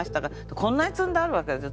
こんなに積んであるわけですよ